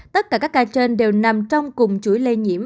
tất cả các ca trên đều nằm trong cùng chuỗi lây nhiễm